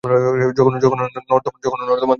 জঘন্য নর্দমার দল!